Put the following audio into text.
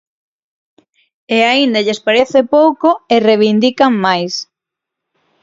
E aínda lles parece pouco e reivindican máis.